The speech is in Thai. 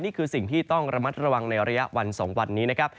นี่คือสิ่งที่ต้องระมัดระวังในระยะวัน๒วันนี้นะครับ